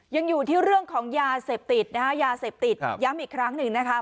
ยังอยู่ที่เรื่องของยาเสพติดนะฮะยาเสพติดย้ำอีกครั้งหนึ่งนะคะ